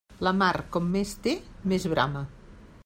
La mar, com més té, més brama.